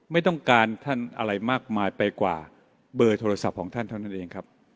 ไม่ต้องการท่านอะไรมากมายไปกว่าเบอร์โทรศัพท์ของท่านเท่านั้นเองครับ